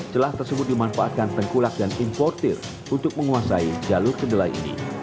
celah tersebut dimanfaatkan tengkulak dan importir untuk menguasai jalur kedelai ini